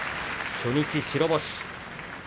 初日白星。